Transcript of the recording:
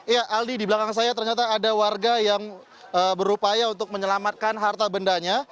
ya aldi di belakang saya ternyata ada warga yang berupaya untuk menyelamatkan harta bendanya